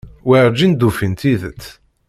Werǧin d-ufin tidet.